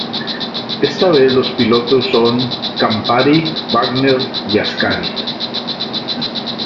Esta vez los pilotos son Campari, Wagner y Ascari.